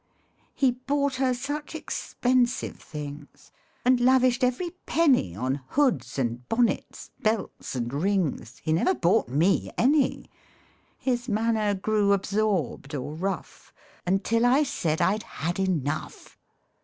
He bought her such expensive things, And lavished every penny On hoods and bonnets, belts and rings, He never bought me any His manner grew absorbed or rough, Until I said I'd had enough.